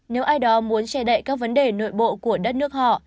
nếu ai đó muốn che đậy các vấn đề nội bộ của đất nước họ